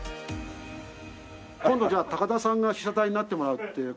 今度じゃあ高田さんが被写体になってもらって。